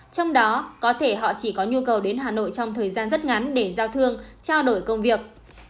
trong đó có thể họ chỉ có nhu cầu đến hà nội trong thời gian rất ngắn để giao thương trao đổi công việc